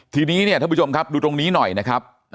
ทีนี้เนี่ยท่านผู้ชมครับดูตรงนี้หน่อยนะครับ